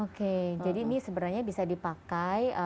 oke jadi ini sebenarnya bisa dipakai